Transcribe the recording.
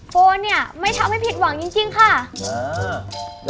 โฟนเนี่ยไม่ทำให้ผิดหวังจริงจริงค่ะ